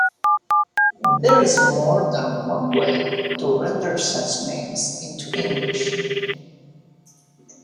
There is more than one way to render such names into English.